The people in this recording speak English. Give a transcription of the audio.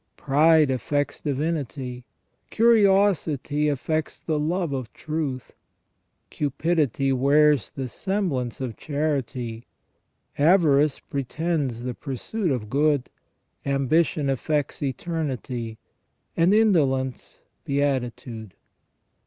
Pride affects divinity ; curiosity affects the love of truth ; cupidity wears the semblance of charity ; avarice pretends the pursuit of good; ambition affects eternity; and indolence beatitude.